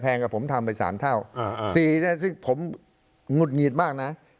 แพงกับผมทำไปสามเท่าสี่เนี้ยซึ่งผมงุดหงีดมากน่ะ